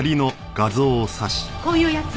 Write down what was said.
こういうやつ。